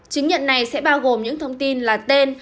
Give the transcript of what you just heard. chứng nhận này sẽ bao gồm những thông tin là tên